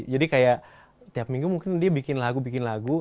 jadi kayak tiap minggu mungkin dia bikin lagu bikin lagu